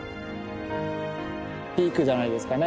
ピークじゃないですかね